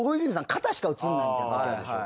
肩しか映らないみたいなときあるでしょう？